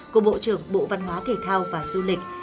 của bộ trưởng bộ văn hóa thể thao và du lịch